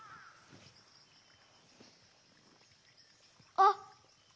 あっ！